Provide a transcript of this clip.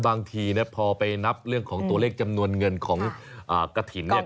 บางทีพอไปนับเรื่องของตัวเลขจำนวนเงินของกระถิ่นเนี่ย